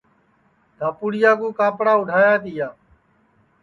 دھپُوڑِیا کُو کاپڑا اُڈایا تیا